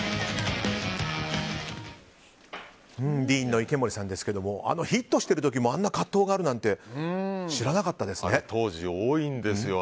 ＤＥＥＮの池森さんですけどもヒットしてる時もあんな葛藤があるなんて当時、多いんですよ。